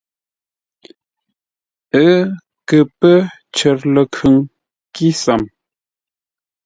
Ə́ kə pə́ cər ləkhʉŋ kísəm.